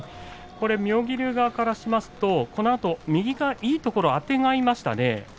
妙義龍側からすると右がいいところあてがいましたね。